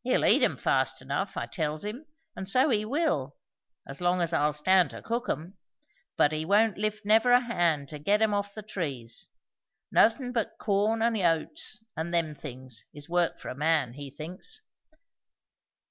He'll eat 'em fast enough, I tells him, and so he will; as long as I'll stand to cook 'em; but he won't lift never a hand to get 'em off the trees. No thin' but corn and oats, and them things, is work for a man, he thinks."